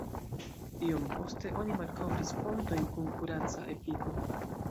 Iom poste oni malkovris fontojn kun kuraca efiko.